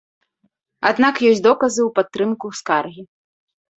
Аднак ёсць доказы ў падтрымку скаргі.